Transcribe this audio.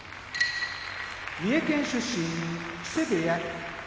三重県出身木瀬部屋